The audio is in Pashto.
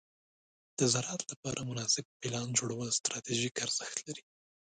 د زراعت لپاره مناسب پلان جوړول ستراتیژیک ارزښت لري.